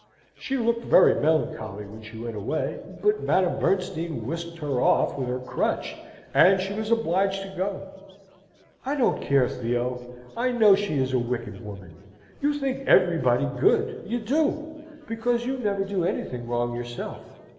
She looked very melancholy when she went away; but Madame Bernstein whisked her off with her crutch, and she was obliged to go. I don't care, Theo. I know she is a wicked woman. You think everybody good, you do, because you never do anything wrong yourself."